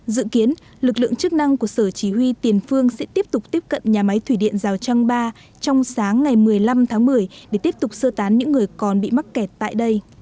dự kiến lực lượng chức năng của sở chỉ huy tiền phương sẽ tiếp tục tiếp cận nhà máy thủy điện rào trăng ba trong sáng ngày một mươi năm tháng một mươi để tiếp tục sơ tán những người còn bị mắc kẹt tại đây